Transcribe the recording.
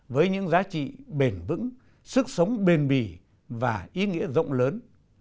với những giá trị bền vững sức sống bền bì và ý nghĩa rộng lớn